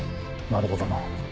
なるほどな。